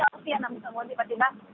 al syihak nabi salman jemaat jenderal